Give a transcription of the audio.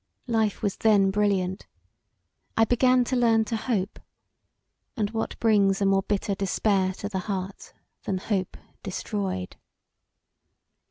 Life was then brilliant; I began to learn to hope and what brings a more bitter despair to the heart than hope destroyed?